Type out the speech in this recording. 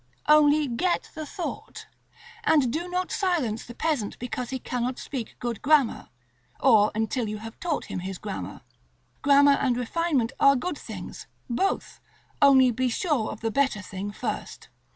Only get the thought, and do not silence the peasant because he cannot speak good grammar, or until you have taught him his grammar. Grammar and refinement are good things, both, only be sure of the better thing first.